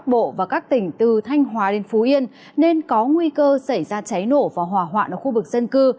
bắc bộ và các tỉnh từ thanh hóa đến phú yên nên có nguy cơ xảy ra cháy nổ và hỏa hoạn ở khu vực dân cư